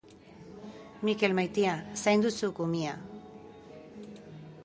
Mikel maitia zaindu zuk umia.